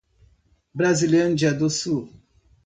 Brasilândia do Sul